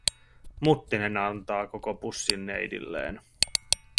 Muttinen antaa koko pussin neidilleen.